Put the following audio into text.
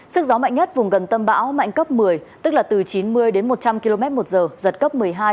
sức gió mạnh nhất vùng gần tâm bão mạnh cấp một mươi tức là từ chín mươi đến một trăm linh km một giờ giật cấp một mươi hai